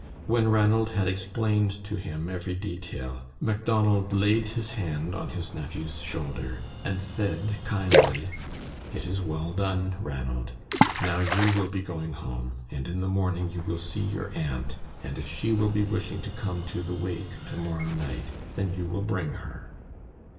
When Ranald had explained to him every detail, Macdonald laid his hand on his nephew's shoulder and said, kindly, "It is well done, Ranald. Now you will be going home, and in the morning you will see your aunt, and if she will be wishing to come to the wake to morrow night, then you will bring her."